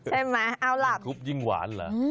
ใช่ไหมเอาล่ะ